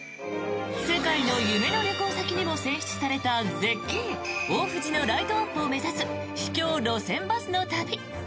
世界の夢の旅行先にも選出された絶景大藤のライトアップを目指す秘境路線バスの旅。